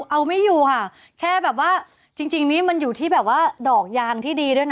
เอาไม่อยู่ค่ะแค่แบบว่าจริงนี้มันอยู่ที่แบบว่าดอกยางที่ดีด้วยนะ